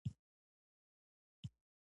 څوک سوله غواړي.